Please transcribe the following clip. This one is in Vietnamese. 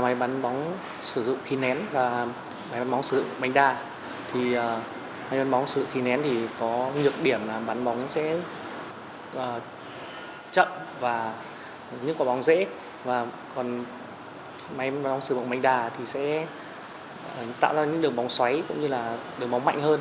máy bắn bóng dễ và máy bắn bóng sử dụng bánh đa sẽ tạo ra những đường bóng xoáy cũng như là đường bóng mạnh hơn